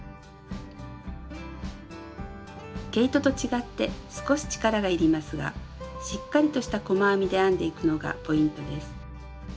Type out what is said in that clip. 毛糸と違って少し力がいりますがしっかりとした細編みで編んでいくのがポイントです。